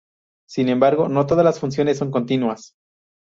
Sin embargo, no todas las funciones son continuas.